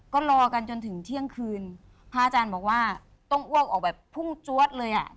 ก็รอกันจนถึงเที่ยงคืนพระอาจารย์บอกว่าต้องอ้วกออกแบบพุ่งจวดเลยอ่ะ